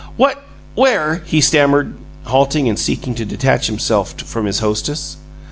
"What where " he stammered, halting and seeking to detach himself from his hostess.